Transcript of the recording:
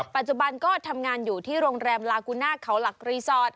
ปัจจุบันก็ทำงานอยู่ที่โรงแรมลากูน่าเขาหลักรีสอร์ท